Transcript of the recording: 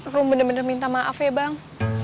rum benar benar minta maaf ya bang